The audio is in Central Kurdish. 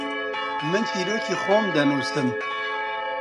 من چیرۆکی خۆم دەنووسم.